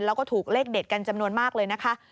แล้วก็ถูกเลขเด็ดกันจำนวนมากเลยนะคะ